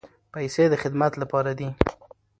پیسې د خدمت لپاره دي.